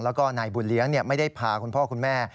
แล้วก็นายบุญเลี้ยงไม่ได้พาคุณพ่อคุณแม่